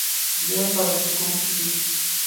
Ñuqapa antukum sutii.